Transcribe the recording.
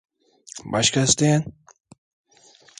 Başka isteyen?